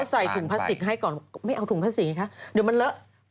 ใส่ถุงพลาสติกให้ก่อนไม่เอาถุงพลาสีคะเดี๋ยวมันเลอะ